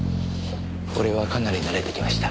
俺はかなり慣れてきました。